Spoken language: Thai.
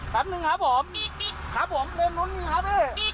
แป๊บหนึ่งครับผมครับผมเล็งมุมหนึ่งครับพี่